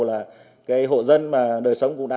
là hộ dân đời sống cũng đã